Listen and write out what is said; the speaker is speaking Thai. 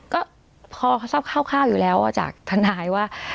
ก็พอเขาเข้าข้าวอยู่แล้วจากทนายว่า